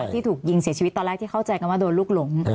ที่ถูกยิงเสียชีวิตตอนแรกที่เข้าใจกันว่าโดนลูกหลง